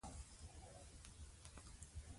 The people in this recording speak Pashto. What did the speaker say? دا ستاسو په پیسو جوړ شوي.